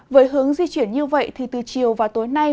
với hướng di chuyển như vậy từ chiều vào tối nay